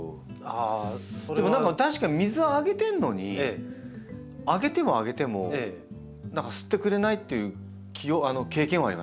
でも確かに水はあげてるのにあげてもあげても何か吸ってくれないっていう経験はあります